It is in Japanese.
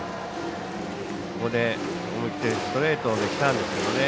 思い切ってストレートにきたんですけどね。